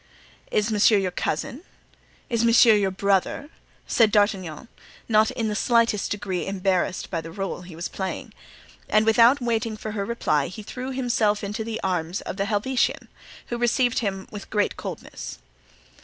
"Is monsieur your cousin? Is monsieur your brother?" said D'Artagnan, not in the slightest degree embarrassed in the role he was playing. And without waiting for her reply he threw himself into the arms of the Helvetian, who received him with great coldness.